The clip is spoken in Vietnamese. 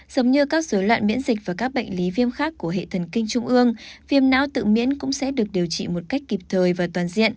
giống như các dối loạn miễn dịch và các bệnh lý viêm khác của hệ thần kinh trung ương viêm não tự miễn cũng sẽ được điều trị một cách kịp thời và toàn diện